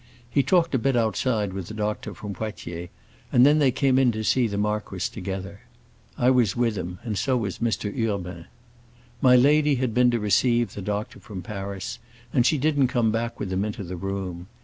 He talked a bit outside with the doctor from Poitiers, and then they came in to see the marquis together. I was with him, and so was Mr. Urbain. My lady had been to receive the doctor from Paris, and she didn't come back with him into the room.